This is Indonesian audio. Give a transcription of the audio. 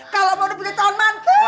kalau mau dipilih cong mantu